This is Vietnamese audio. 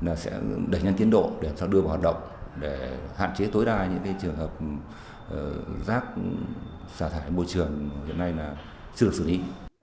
là sẽ đẩy nhanh tiến độ để đưa vào hoạt động để hạn chế tối đa những trường hợp rác xả thải môi trường hiện nay là chưa được xử lý